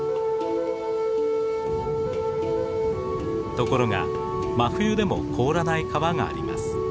ところが真冬でも凍らない川があります。